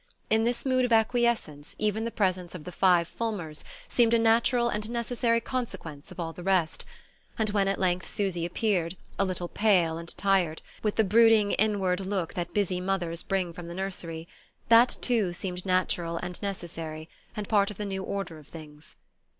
In this mood of acquiescence even the presence of the five Fulmers seemed a natural and necessary consequence of all the rest; and when Susy at length appeared, a little pale and tired, with the brooding inward look that busy mothers bring from the nursery, that too seemed natural and necessary, and part of the new order of things.